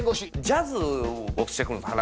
ジャズをしてくるんですよ